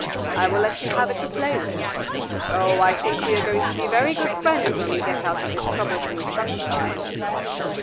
I will let you have it to play with. Oh, I think we are going to be very good friends when we get out of this troublesome sunshine."